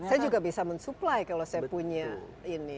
saya juga bisa mensupply kalau saya punya ini